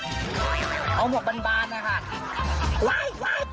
ขอยุ่งหมวกเลยค่ะเอาหมวกบานนะค่ะ